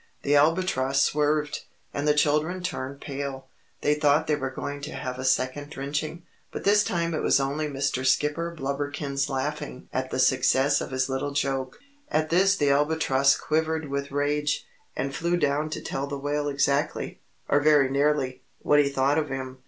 The Albatross swerved, and the children turned pale they thought they were going to have a second drenching. But this time it was only Mr. Skipper Blubberkins laughing at the success of his little joke. At this the Albatross quivered with rage, and flew down to tell the Whale exactly or very nearly what he thought of him.